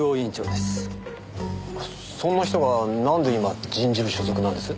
そんな人がなんで今人事部所属なんです？